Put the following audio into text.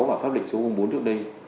và pháp lệnh số hôm bốn trước đây